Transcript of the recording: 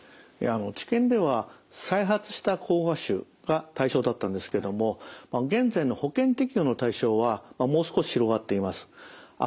治験では再発した膠芽腫が対象だったんですけども現在の保険適用の対象はもう少し広がっています。